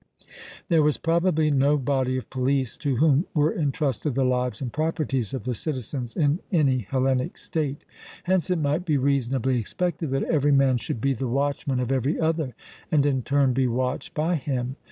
There was probably no body of police to whom were entrusted the lives and properties of the citizens in any Hellenic state. Hence it might be reasonably expected that every man should be the watchman of every other, and in turn be watched by him.